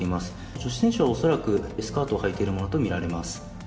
女子選手は恐らくスカートをはいているものとみられます